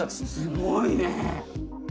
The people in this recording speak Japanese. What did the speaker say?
すごいね。